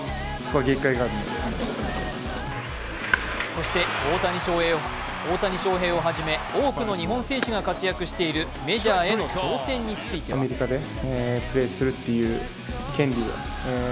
そして大谷翔平をはじめ多くの日本選手が活躍しているメジャーへの挑戦については続いては５位です。